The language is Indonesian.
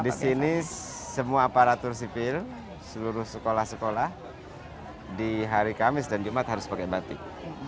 di sini semua aparatur sipil seluruh sekolah sekolah di hari kamis dan jumat harus pakai batik